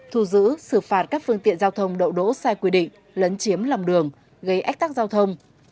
thu giữ xử phạt các phương tiện giao thông đậu đỗ sai quy định lấn chiếm lòng đường gây ách tắc giao thông